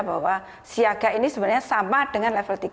bahwa siaga ini sebenarnya sama dengan level tiga